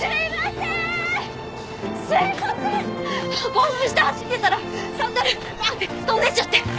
興奮して走ってたらサンダルバーッて飛んでっちゃって。